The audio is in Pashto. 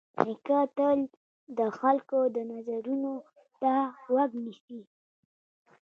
نیکه تل د خلکو د نظرونو ته غوږ نیسي.